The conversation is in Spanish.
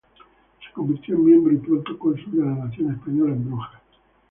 Se convirtió en miembro y pronto cónsul de la nación española en Brujas.